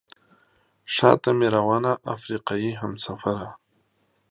شاته مې روانه افریقایي همسفره.